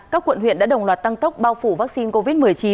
các quận huyện đã đồng loạt tăng tốc bao phủ vaccine covid một mươi chín